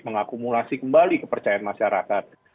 mengakumulasi kembali kepercayaan masyarakat